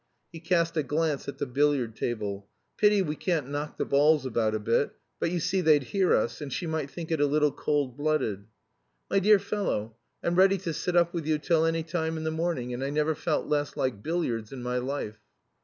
He cast a glance at the billiard table. "Pity we can't knock the balls about a bit but you see they'd hear us, and she might think it a little cold blooded." "My dear fellow, I'm ready to sit up with you till any time in the morning, and I never felt less like billiards in my life."